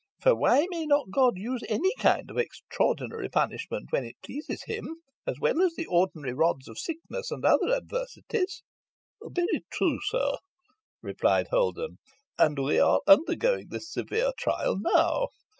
For why may not God use any kind of extraordinary punishment, when it pleases Him, as well as the ordinary rods of sickness, or other adversities?'" "Very true, sir," replied Holden. "And we are undergoing this severe trial now.